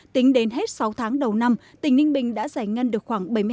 tính đến hết sáu tháng đầu năm tỉnh ninh bình đã giải ngân được khoảng hai mươi khối lượng